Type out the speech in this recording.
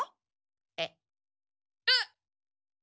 えっ？あっ。